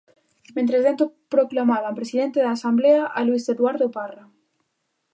Mentres dentro proclamaban presidente da asemblea a Luís Eduardo Parra.